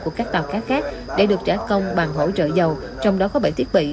của các tàu cá khác để được trả công bằng hỗ trợ dầu trong đó có bảy thiết bị